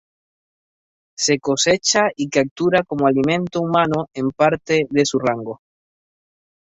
Se cosecha y captura como alimento humano en parte de su rango.